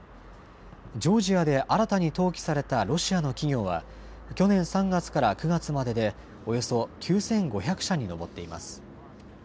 ジョージアで新たに登記されたロシアの企業は、去年３月から９月まででおよそ９５００社に上っています。